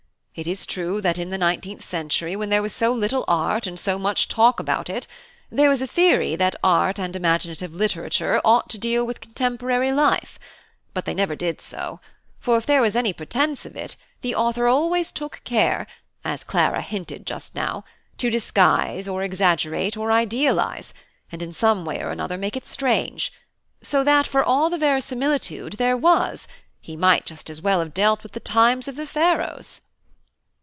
It is true that in the nineteenth century, when there was so little art and so much talk about it, there was a theory that art and imaginative literature ought to deal with contemporary life; but they never did so; for, if there was any pretence of it, the author always took care (as Clara hinted just now) to disguise, or exaggerate, or idealise, and in some way or another make it strange; so that, for all the verisimilitude there was, he might just as well have dealt with the times of the Pharaohs."